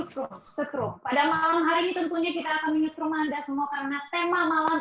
school setelah malam hari ini tentunya kita akan menyukai anda semua karena tema malam